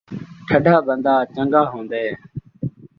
ٹھڈھا بندہ چنڳا ہوندے